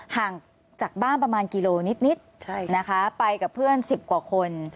ห่างจากบ้านประมาณกิโลนิดนะคะไปกับเพื่อน๑๐กว่าคน